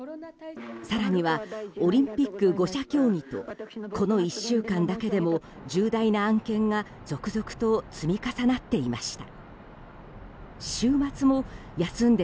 更には、オリンピック５者協議とこの１週間だけでも重大な案件が続々と積み重なっていました。